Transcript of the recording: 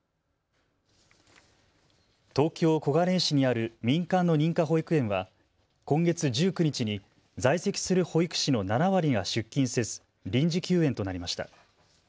東京小金井市にある民間の認可保育園は今月１９日に在籍する保育士の７割が出勤せず臨時休園となりました。